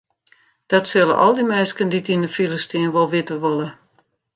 Dat sille al dy minsken dy't yn de file stean wol witte wolle.